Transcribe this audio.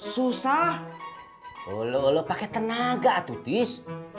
susah oloh pakai tenaga tutis